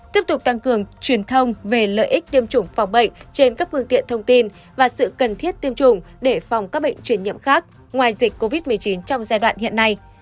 tiếp tục tăng cường truyền thông về lợi ích tiêm chủng phòng bệnh trên các phương tiện thông tin và sự cần thiết tiêm chủng để phòng các bệnh truyền nhiễm khác ngoài dịch covid một mươi chín trong giai đoạn hiện nay